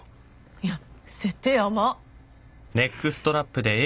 いや設定甘っ。